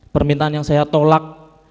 permintaan yang saya tolak